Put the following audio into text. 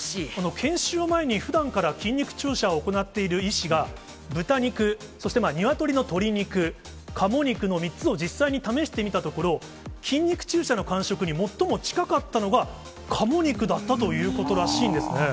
研修を前に、ふだんから筋肉注射を行っている医師が、豚肉、そしてニワトリの鶏肉、カモ肉の３つを実際に試してみたところ、筋肉注射の感触に最も近かったのが、カモ肉だったということらしいんですね。